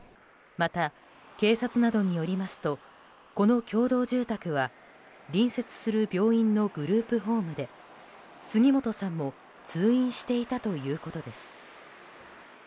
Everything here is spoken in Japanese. また、警察などによりますとこの共同住宅は隣接する病院のグループホームで杉本さんも通院していたということです。